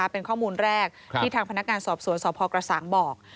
เป็นข้อมูลแรกที่ทางพนักงานสอบสวนสพกระสางบอก